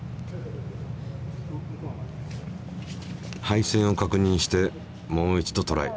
配線を確認してもう一度トライ。